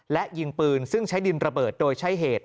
และยิงปืนซึ่งใช้ดินระเบิดโดยใช้เหตุ